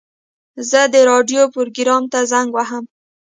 زه د راډیو پروګرام ته زنګ وهم.